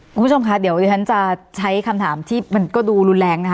คุณผู้ชมคะเดี๋ยวดิฉันจะใช้คำถามที่มันก็ดูรุนแรงนะคะ